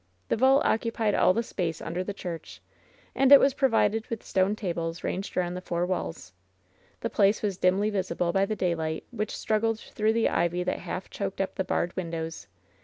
The vault occupied all the space under the church, and it was provided with stone tables ranged around the four walls. The place was dimly visible by the daylight which struggled through the ivy that half choked up the barred windows.